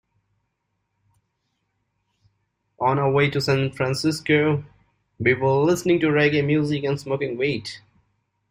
On our way to San Francisco, we were listening to reggae music and smoking weed.